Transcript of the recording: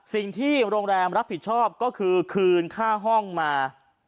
สิ่งที่โรงแรมรับผิดชอบก็คือคืนค่าห้องมา